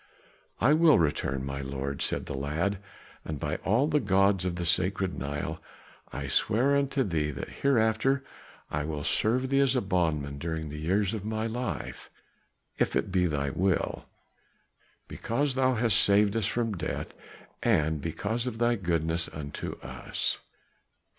"I will return, my lord," said the lad, "and by all the gods of the sacred Nile, I swear unto thee that hereafter I will serve thee as a bondman during the years of my life if it be thy will; because thou hast saved us from death, and because of all thy goodness unto us."